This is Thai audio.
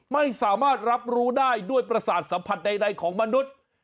ไม่สามารถรับรู้ได้ด้วยประสาทสัมผัสใดของมนุษย์